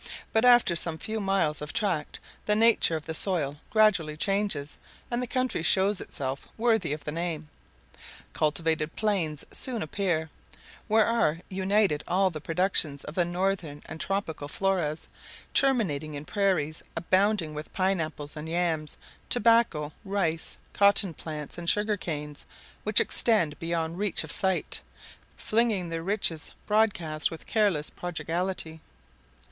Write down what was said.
But after some few miles of tract the nature of the soil gradually changes and the country shows itself worthy of the name. Cultivated plains soon appear, where are united all the productions of the northern and tropical floras, terminating in prairies abounding with pineapples and yams, tobacco, rice, cotton plants, and sugar canes, which extend beyond reach of sight, flinging their riches broadcast with careless prodigality.